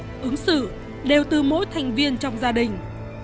hành vi ứng xử đều từ mỗi thành viên trong gia đình